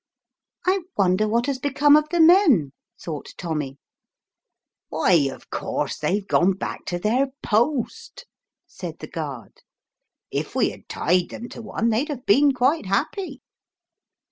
"I wonder what has become of the men," thought Tommy. " Why, of course they've gone back to their post" said the guard ;" if we had tied them to one they'd have been quite happy."